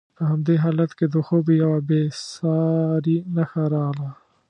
په همدې حالت کې د خوب یوه بې ساري نښه راغله.